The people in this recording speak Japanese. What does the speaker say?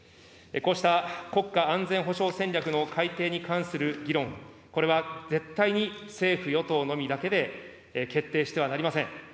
こうした国家安全保障戦略の改定に関する議論、これは絶対に政府・与党のみだけで決定してはなりません。